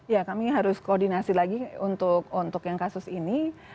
ya kami harus koordinasi lagi untuk yang kasus ini